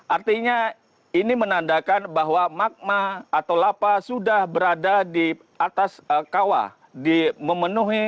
artinya ini menandakan bahwa magma atau lapa sudah berada di atas kawah